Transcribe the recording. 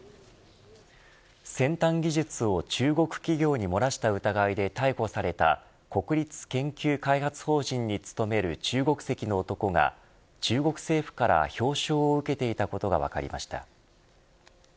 先端技術を中国企業に漏らした疑いで逮捕された国立研究開発法人に勤める中国籍の男が中国政府から表彰を受けていたことが分かりました。